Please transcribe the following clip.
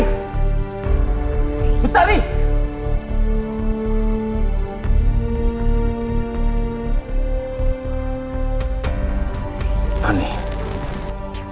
perguruan staaqin inipah bagaimana om anggigo